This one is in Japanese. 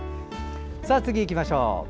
次いきましょう。